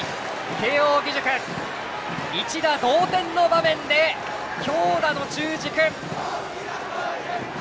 慶応義塾、一打同点の場面で強打の中軸！